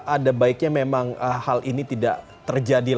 ada baiknya memang hal ini tidak terjadi lagi